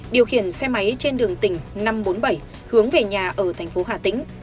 điều khiển xe máy trên đường tỉnh năm trăm bốn mươi bảy hướng về nhà ở thành phố hà tĩnh